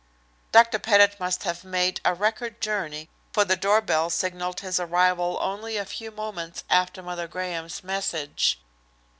Dr. Pettit must have made a record journey, for the door bell signalled his arrival only a few moments after Mother Graham's message.